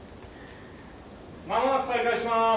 間もなく再開します。